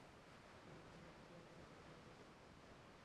তাই যিনি এমন ব্যায়াম করেন, তিনি স্বাভাবিকভাবেই পর্যাপ্ত পানি পান করেন।